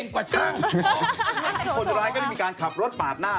คนร้ายก็ได้มีการขับรถปาดหน้า